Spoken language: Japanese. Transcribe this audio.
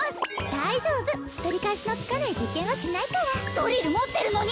大丈夫取り返しのつかない実験はしないからドリル持ってるのに？